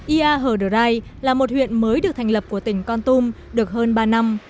ia hờ đờ rai là một huyện mới được thành lập của tỉnh con tum được hơn ba năm